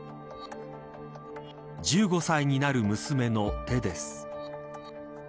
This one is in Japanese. １５歳になる娘の手です。